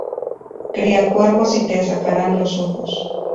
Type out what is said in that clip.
Cría cuervos y te sacarán los ojos